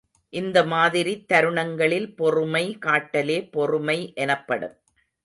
இந்த மாதிரித் தருணங்களில் பொறுமை காட்டலே பொறுமை எனப்படும்.